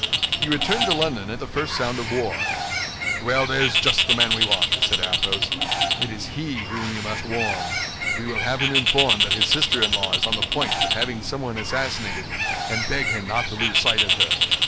"He returned to London at the first sound of war." "Well, there's just the man we want," said Athos. "It is he whom we must warn. We will have him informed that his sister in law is on the point of having someone assassinated, and beg him not to lose sight of her.